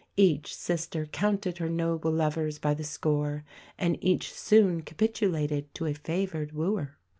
Each sister counted her noble lovers by the score, and each soon capitulated to a favoured wooer.